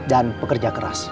dan pekerja keras